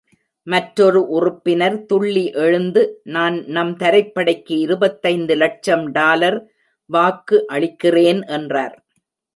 மற்றொரு உறுப்பினர் துள்ளி எழுந்து நான் நம் தரைப்படைக்கு இருபத்தைந்து லட்சம் டாலர் வாக்கு அளிக்கிறேன் என்றார்.